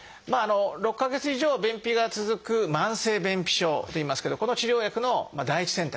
６か月以上便秘が続く「慢性便秘症」といいますけどこの治療薬の第一選択ですね。